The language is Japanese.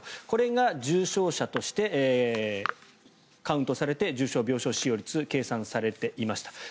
これが重症者としてカウントされて重症病床使用率がカウントされていました。